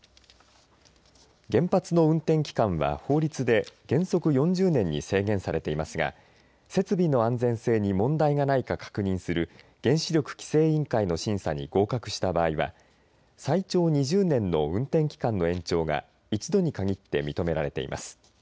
原発の運転期間は法律で原則４０年に制限されていますが設備の安全性に問題がないか確認する原子力規制委員会の審査に合格した場合は最長２０年の運転期間の延長が１度に限って認められています。